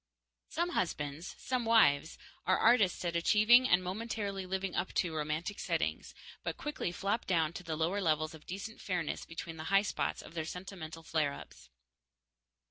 _ Some husbands, some wives, are artists at achieving and momentarily living up to romantic settings, but quickly flop down to the lower levels of decent fairness between the high spots of their sentimental flare ups.